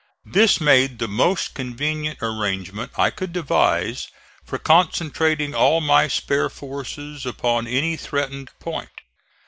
This made the most convenient arrangement I could devise for concentrating all my spare forces upon any threatened point.